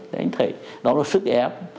để anh thấy đó là sức ép